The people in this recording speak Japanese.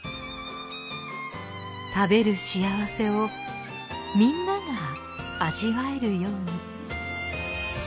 食べる幸せをみんなが味わえるように。